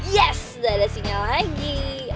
yes gak ada sinyal lagi